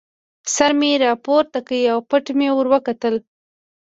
سر مې را پورته کړ او پټ مې ور وکتل.